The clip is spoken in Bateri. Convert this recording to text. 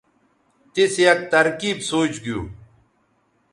تِیس یک ترکیب سوچ گِیُو